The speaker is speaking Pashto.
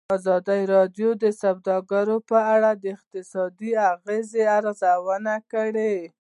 ازادي راډیو د سوداګري په اړه د اقتصادي اغېزو ارزونه کړې.